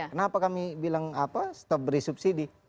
kenapa kami bilang stop beri subsidi